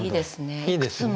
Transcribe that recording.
いいですね。